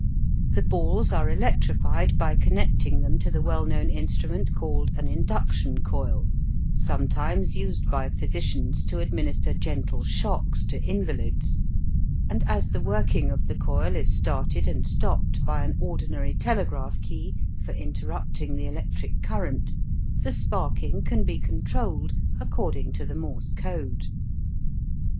The balls are electrified by connecting them to the well known instrument called an induction coil, sometimes used by physicians to administer gentle shocks to invalids; and as the working of the coil is started and stopped by an ordinary telegraph key for interrupting the electric current, the sparking can be controlled according to the Morse code.